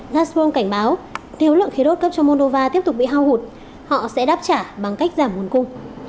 natsung cảnh báo thiếu lượng khí đốt cấp cho moldova tiếp tục bị hao hụt họ sẽ đáp trả bằng cách giảm nguồn cung